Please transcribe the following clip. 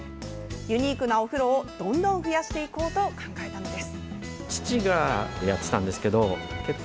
ユニークなお風呂をどんどん増やしていこうと考えたのです。